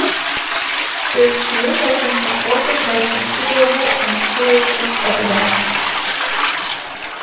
This view has been supported by considerable empirical evidence.